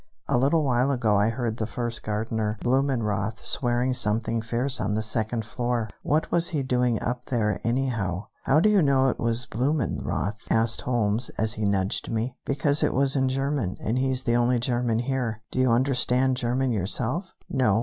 A little while ago I heard the first gardener, Blumenroth, swearing something fierce on the second floor. What was he doing up there, anyhow?" "How do you know it was Blumenroth?" asked Holmes, as he nudged me. "Because it was in German, and he's the only German here." "Do you understand German yourself?" "No."